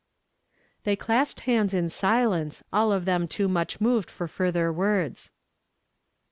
They clasped hands in silence, all of them too niucli moved for further words.